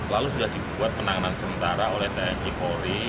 lalu sudah dibuat penanganan sementara oleh tni polri